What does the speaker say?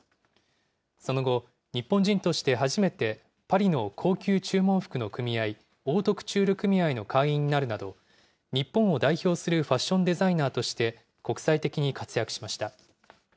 その後、日本人として初めてパリの高級注文服の組合、オートクチュール組合の会員になるなど、日本を代表するファッションデザイナーとして国際的に活躍しました。